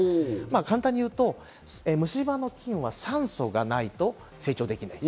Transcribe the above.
簡単にいうと虫歯の菌は酸素がないと成長できない。